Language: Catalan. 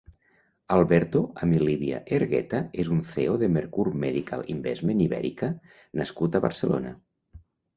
Alberto Amilibia Hergueta és un cEO de Mercur Medical Investment Ibérica nascut a Barcelona.